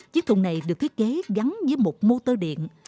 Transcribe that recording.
chiếc thùng này được thiết kế gắn với một motor điện